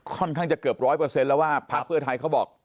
ค่อนข้างจะเกือบร้อยเปอร์เซ็นต์แล้วว่าพักเพื่อไทยเขาบอก